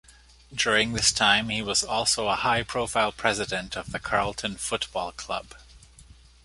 During this time he was also a high-profile President of the Carlton Football Club.